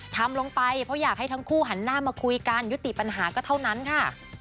ทำลงไปเพราะอยากให้ทั้งคู่หันหน้ามาคุยกันยุติปัญหาก็เท่านั้นค่ะ